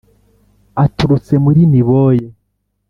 aturutse muri niboye